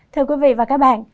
thưa quý vị và các bạn